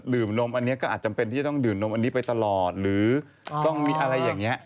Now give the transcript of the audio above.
ดื่มนมอันนี้ไปตลอดหรือต้องมีอะไรอย่างเงี้ย